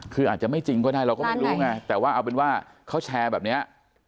คืออาจจะไม่จริงก็ได้เราก็ไม่รู้ไงแต่ว่าเอาเป็นว่าเขาแชร์แบบนี้